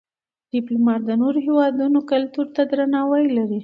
ډيپلومات د نورو هېوادونو کلتور ته درناوی لري.